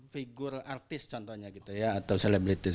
figur artis contohnya gitu ya atau selebritis